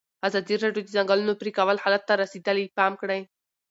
ازادي راډیو د د ځنګلونو پرېکول حالت ته رسېدلي پام کړی.